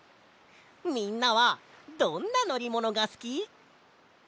みんなはどんなのりものがすき？